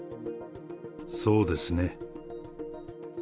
そうですね。